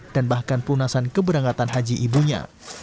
dan bahkan pelunasan keberangkatan haji ibunya